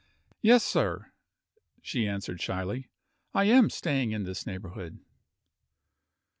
"Yes, sir," she answered, shyly, "I am staying in this neighborhood."